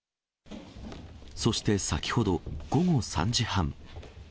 そして先ほど午後３時半。